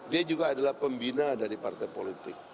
dia juga adalah pembina dari partai politik